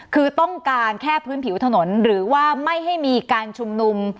คือต้องการแค่พื้นผิวถนนหรือว่าไม่ให้มีการชุมนุม